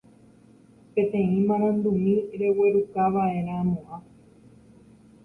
peteĩ marandumi reguerukava'erãmo'ã